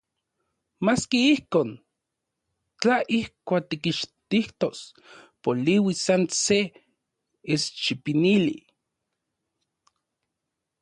Maski ijkon, tla ijkuak tikixtijtos poliuis san se eschipinili...